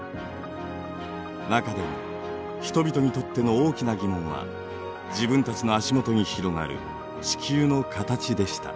中でも人々にとっての大きな疑問は自分たちの足元に広がる地球の形でした。